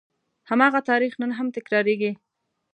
هماغه تاریخ نن هم تکرارېږي.